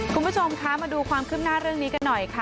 คุณผู้ชมคะมาดูความคืบหน้าเรื่องนี้กันหน่อยค่ะ